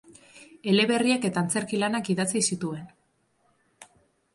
Eleberriak eta antzerki lanak idatzi zituen.